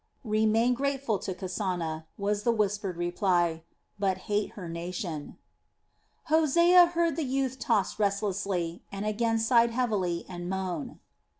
"Remain grateful to Kasana," was the whispered reply, "but hate her nation." Hosea heard the youth toss restlessly, and again sigh heavily and moan.